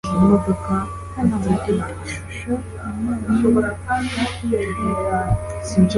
Hano hari ishusho ya mwarimu hafi yishuri.